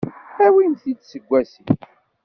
Awimt-t-id seg wasif.